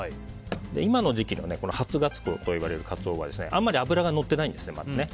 今の時期初ガツオといわれるカツオはあんまり脂がのってないんですね、まだ。